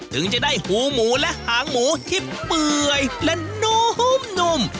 ถึงจะได้หูหมูและหางหมูที่เปื่อยและนุ่ม